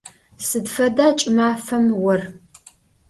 Sıd feda ç'ımafem vor?